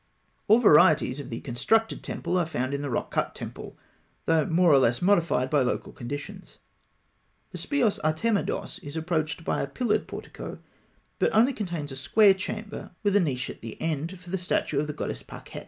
All varieties of the constructed temple are found in the rock cut temple, though more or less modified by local conditions. The Speos Artemidos is approached by a pillared portico, but contains only a square chamber with a niche at the end for the statue of the goddess Pakhet.